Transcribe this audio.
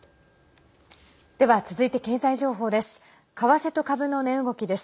では、続いて経済情報です。